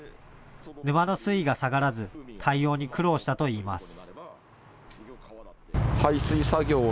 沼の水位が下がらず対応に苦労したと言います。